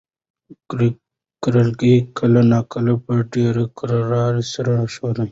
کړکۍ کله ناکله په ډېرې کرارۍ سره ښوري.